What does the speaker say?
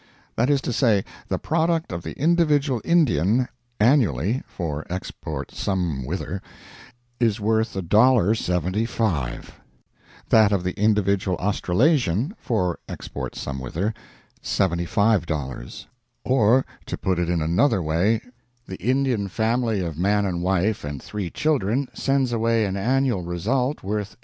That is to say, the product of the individual Indian, annually (for export some whither), is worth $1.75; that of the individual Australasian (for export some whither), $75! Or, to put it in another way, the Indian family of man and wife and three children sends away an annual result worth $8.